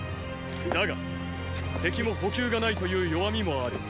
だが敵も補給がないという弱みもある。